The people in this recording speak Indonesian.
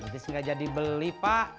tis gak jadi beli pak